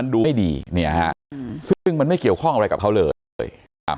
ดูไม่ดีซึ่งมันไม่เกี่ยวข้องอะไรกับเขาเลย